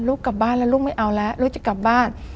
กลับบ้านแล้วลูกไม่เอาแล้วลูกจะกลับบ้าน